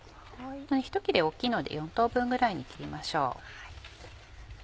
ひと切れ大きいので４等分ぐらいに切りましょう。